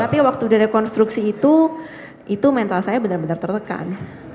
tapi waktu rekonstruksi itu itu mental saya benar benar tertekan